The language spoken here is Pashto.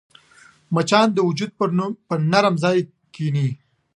مچان د وجود پر نرم ځای کښېني